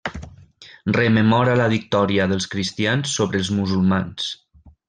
Rememora la victòria dels cristians sobre els musulmans.